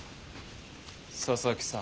佐々木さん。